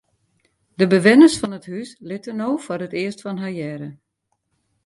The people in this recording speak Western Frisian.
De bewenners fan it hús litte no foar it earst fan har hearre.